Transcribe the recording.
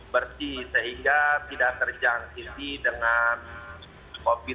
bersih sehingga tidak terjangkiti dengan covid sembilan belas